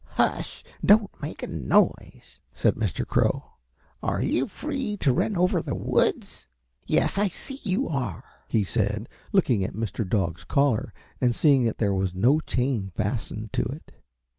"Hush! don't make a noise," said Mr. Crow. "Are you free to run over to the woods? Yes, I see you are," he said, looking at Mr. Dog's collar and seeing there was no chain fastened to it.